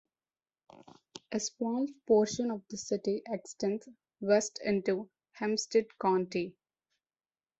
A small portion of the city extends west into Hempstead County.